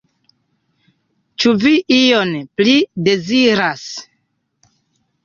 Ĉu vi ion pli deziras?